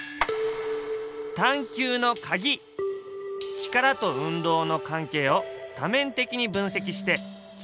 力と運動の関係を多面的に分析して決まりを見つけよう。